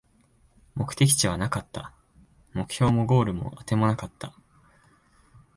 目的地はなかった、目標もゴールもあてもなかった